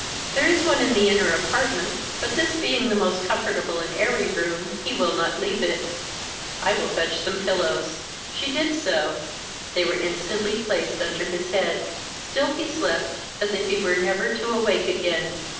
"There is one in the inner apartment, but this being the most comfortable and airy room, he will not leave it." "I will fetch some pillows." She did so; they were instantly placed under his head. Still he slept as if her were never to awake again.